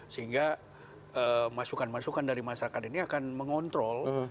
sehingga masukan masukan dari masyarakat ini akan mengontrol